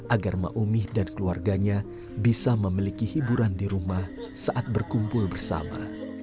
agar maumi dan keluarganya bisa memiliki hiburan di rumah saat berkumpul bersama